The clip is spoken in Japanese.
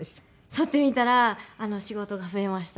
そってみたら仕事が増えました。